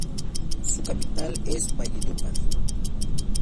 Su capital es Valledupar.